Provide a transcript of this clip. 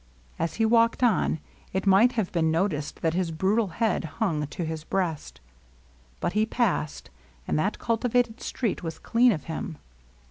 As he walked on, it might have been noticed that his brutal head hung to his breast. But he passed, and that cultivated street was clean of him.